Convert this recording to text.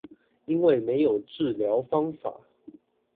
因為沒有治療方法